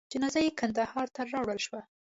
جنازه یې کندهار ته راوړل شوه.